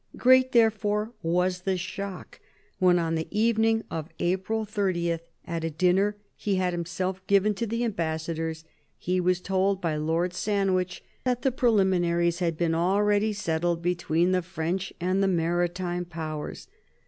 Great therefore was the shock when on the evening of April 30, at a dinner he had himself given to the am bassadors, he was told by Lord Sandwich that the pre liminaries had been already settled between the French and the Maritime Powers.